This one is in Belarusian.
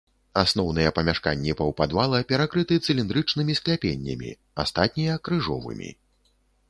Асноўныя памяшканні паўпадвала перакрыты цыліндрычнымі скляпеннямі, астатнія крыжовымі.